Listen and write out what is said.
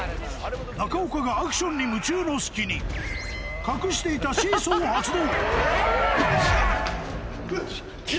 中岡がアクションに夢中の隙に、隠していたシーソーを発動。